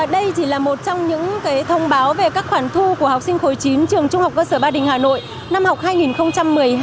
đây chỉ là một trong những cái thông báo về các khoản thu của học sinh khối chín trường trung học cơ sở ba đình hà nội năm học hai nghìn một mươi hai hai nghìn một mươi ba